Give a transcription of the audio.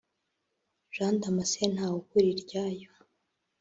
Jean Damascene Ntawukuriryayo